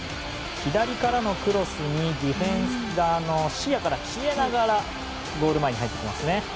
左からのクロスにディフェンダーが視野から消えながらゴール前に入ってきますね。